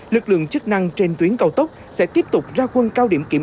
lực lượng chức năng trên tuyến cao tốc sẽ tiếp tục ra quân cao điểm kiểm tra